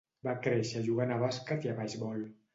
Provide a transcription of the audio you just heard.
Va créixer jugant a bàsquet i a beisbol.